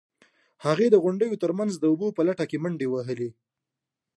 هغې د غونډیو ترمنځ د اوبو په لټه منډې وهلې.